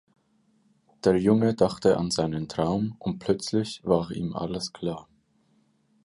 Der Junge dachte an seinen Traum, und plötzlich war ihm alles klar.